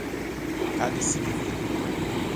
Cálice divino